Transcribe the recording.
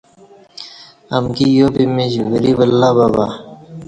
امکی یا پِِمیچ وری ولہ بہ بہ